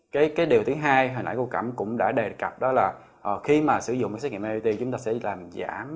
cái điều thứ hai hồi nãy cô cẩm cũng đã đề cập đó là khi mà sử dụng cái xét nghiệm nipt chúng ta sẽ làm giảm